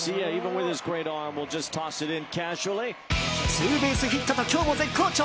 ツーベースヒットと今日も絶好調！